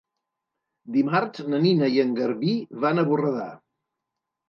Dimarts na Nina i en Garbí van a Borredà.